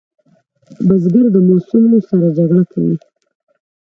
بزګر د موسمو سره جګړه کوي